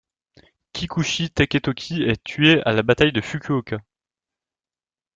Kikuchi Taketoki est tué à la bataille de Fukuoka.